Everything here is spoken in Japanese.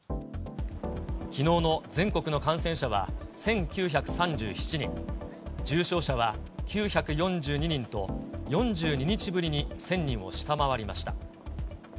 きのうの全国の感染者は１９３７人、重症者は９４２人と、４２日ぶりに１０００人を下回りました。